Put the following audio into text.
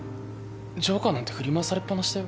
ジョーカーなんて振り回されっぱなしだよ